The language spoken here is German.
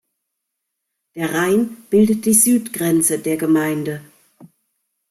Der Rhein bildet die Südgrenze der Gemeinde.